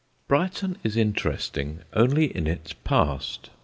Brighton is interesting only in its past.